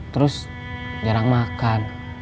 terus jarang makan